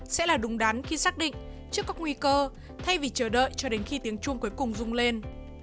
sẽ là đúng đắn khi xác định trước các nguy cơ thay vì chờ đợi cho đến khi tiếng chuông cuối cùng rung lên